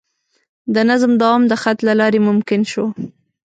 د نظم دوام د خط له لارې ممکن شو.